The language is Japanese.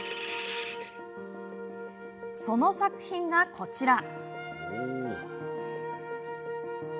その作品がこちら。